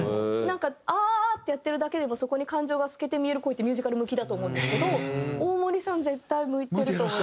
「ああー」って言ってるだけでもそこに感情が透けて見える声ってミュージカル向きだと思うんですけど大森さん絶対向いてると思います。